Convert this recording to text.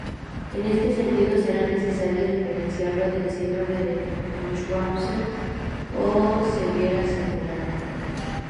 En este sentido será necesario diferenciarlo del síndrome de Münchhausen o ceguera simulada.